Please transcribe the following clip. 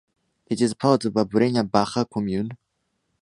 It is part of the Breña Baja commune.